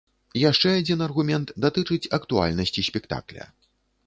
Яшчэ адзін аргумент датычыць актуальнасці спектакля.